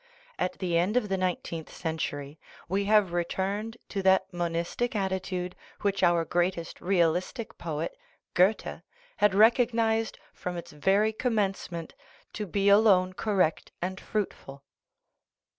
At the end of the nineteenth century we have returned to that monistic attitude which our greatest realistic poet, Goethe, had recognized from its very commencement to be alone correct and fruitful.